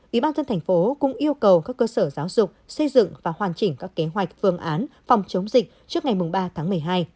ủy ban dân thành phố cũng yêu cầu các cơ sở giáo dục xây dựng và hoàn chỉnh các kế hoạch phương án phòng chống dịch trước ngày ba tháng một mươi hai